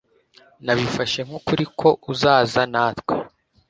Nabifashe nkukuri ko uzaza natwe